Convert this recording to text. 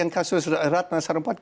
kasus ratna sarumpat